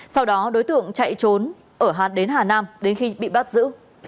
sau đó đối tượng chạy trốn ở hạt đến hà nam đến khi bị bắt giữ